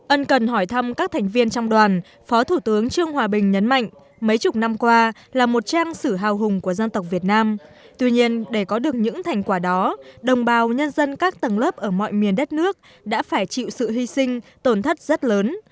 ân cần hỏi thăm các thành viên trong đoàn phó thủ tướng trương hòa bình nhấn mạnh mấy chục năm qua là một trang sử hào hùng của dân tộc việt nam tuy nhiên để có được những thành quả đó đồng bào nhân dân các tầng lớp ở mọi miền đất nước đã phải chịu sự hy sinh tổn thất rất lớn